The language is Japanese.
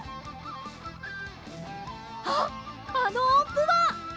あっあのおんぷは！